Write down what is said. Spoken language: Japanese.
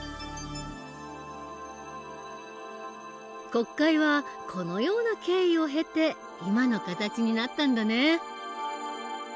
国会はこのような経緯を経て今の形になったんだね。